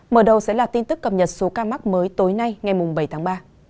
mở đầu sẽ là tin tức cập nhật số ca mắc mới tối nay ngày bảy tháng ba